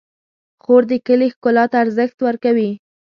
خور د کلي ښکلا ته ارزښت ورکوي.